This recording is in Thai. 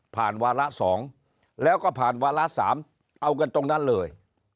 วาระ๒แล้วก็ผ่านวาระ๓เอากันตรงนั้นเลย